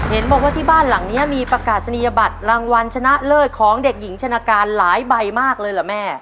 เห็นบอกว่าที่บ้านหลังนี้มีประกาศนียบัตรรางวัลชนะเลิศของเด็กหญิงชนะการหลายใบมากเลยเหรอแม่